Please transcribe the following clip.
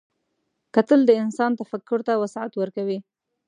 کتل د انسان تفکر ته وسعت ورکوي